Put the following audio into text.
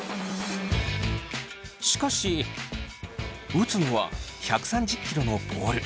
しかし打つのは１３０キロのボール。